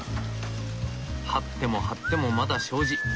張っても張ってもまだ障子。